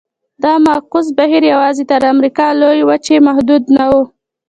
دا معکوس بهیر یوازې تر امریکا لویې وچې محدود نه و.